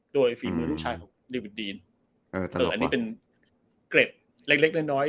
โดยฝีมือลูกชายของเดวิดดีนอันนี้เป็นเกร็ดเล็กน้อย